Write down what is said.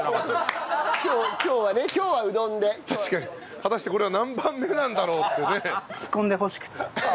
果たしてこれは何番目なんだろうってね。